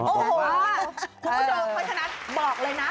ขอบคุณผู้ชมของคนชนัดบอกเลยนะคะ